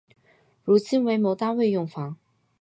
如今为某单位用房。